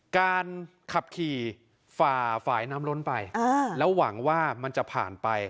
การขับขี่ฝ่าฝ่ายน้ำล้นไปแล้วหวังว่ามันจะผ่านไป